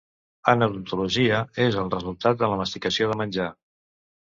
En odontologia és el resultat de la masticació de menjar.